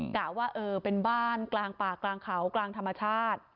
กะว่าเออเป็นบ้านกลางป่ากลางเขากลางธรรมชาติ